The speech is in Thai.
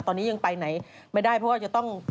ตอนนี้ยังไปไหนไม่ได้เพราะว่าจะต้อง